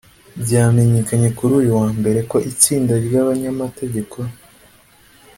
Byamenyekanye kuri uyu wa Mbere ko itsinda ry’abanyamategeko